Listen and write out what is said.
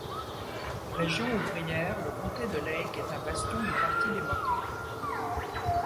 Région ouvrière, le comté de Lake est un bastion du Parti démocrate.